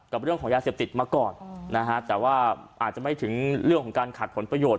กับเรื่องของยาเสพติดมาก่อนนะฮะแต่ว่าอาจจะไม่ถึงเรื่องของการขัดผลประโยชน